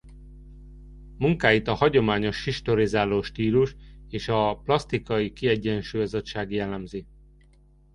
Munkáit a hagyományos historizáló stílus és a plasztikai kiegyensúlyozottság jellemzi.